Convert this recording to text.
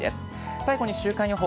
最後に週間予報。